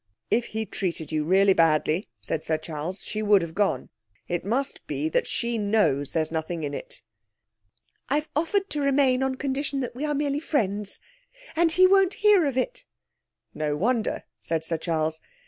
'If he treated you really badly,' said Sir Charles, 'she would have gone. It must be that she knows there's nothing in it.' 'I've offered to remain, on condition that we are merely friends. And he won't hear of it.' 'No wonder,' said Sir Charles.